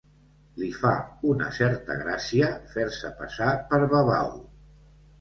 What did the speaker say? Li fa una certa gràcia fer-se passar per babau.